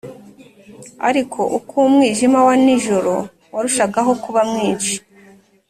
ariko uko umwijima wa nijoro warushagaho kuba mwinshi,